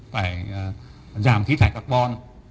phải giảm khí thải carbon